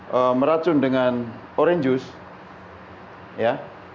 saya meracun dengan orange juice